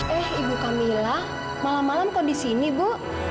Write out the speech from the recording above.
eh ibu kamila malam malam kau disini bu